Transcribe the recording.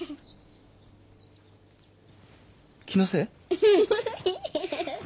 気のせい？